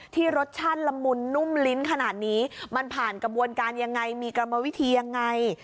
ที่รสชาติละมุนนุ่มลิ้นขนาดนี้มันผ่านกระบวนการยังไงมีกรรมวิธียังไง